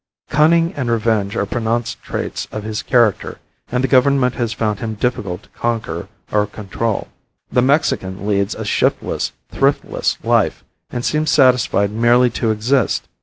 Cunning and revenge are pronounced traits of his character and the Government has found him difficult to conquer or control. The Mexican leads a shiftless, thriftless life and seems satisfied merely to exist.